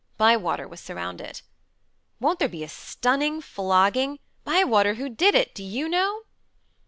Bywater was surrounded. "Won't there be a stunning flogging? Bywater, who did it? Do you know?"